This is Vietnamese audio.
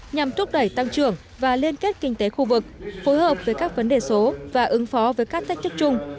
nhằm thúc đẩy tăng trưởng và liên kết kinh tế khu vực phối hợp với các vấn đề số và ứng phó với các thách chức chung